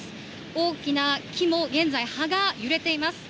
大きな木も現在葉が揺れています。